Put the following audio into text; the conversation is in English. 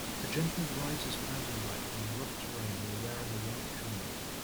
A gentleman rides his mountain bike down rough terrain while wearing a white helmet.